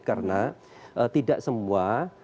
karena tidak semua